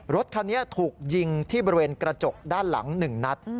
รถคันนี้ถูกยิงที่บริเวณกระจกด้านหลัง๑นัด